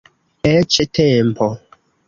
Eĉ tempo.